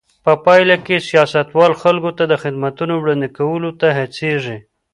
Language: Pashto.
په پایله کې سیاستوال خلکو ته د خدمتونو وړاندې کولو ته هڅېږي.